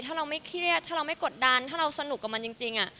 ถ้าเราไม่เครียดถ้าเราไม่กดดันถ้าเราสนุกกับมันจริง